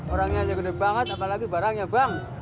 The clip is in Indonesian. orangnya aja gede banget apalagi barangnya bang